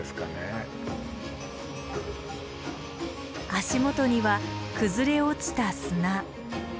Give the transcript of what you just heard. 足元には崩れ落ちた砂。